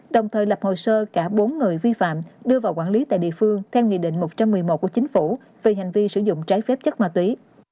đồng thời lập hồ sơ cả bốn người vi phạm đưa vào quản lý tại địa phương theo nghị định một trăm một mươi một của chính phủ về hành vi sử dụng trái phép chất ma túy